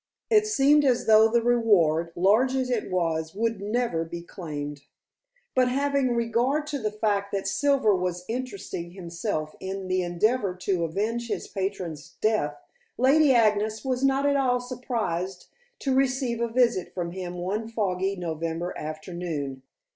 It seemed as though the reward, large as it was, would never be claimed. But having regard to the fact that Silver was interesting himself in the endeavor to avenge his patron's death, Lady Agnes was not at all surprised to receive a visit from him one foggy November afternoon.